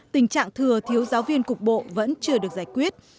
tình trạng thừa thiếu giáo viên cục bộ vẫn chưa được giải quyết